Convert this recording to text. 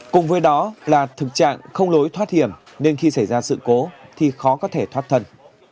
cùng với đó là thực trạng không lối thoát hiểm nên khi xảy ra sự cố thì khó có thể thoát thân